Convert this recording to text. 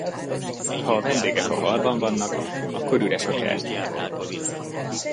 Ha a vendégek a hallban vannak, akkor üres a kert.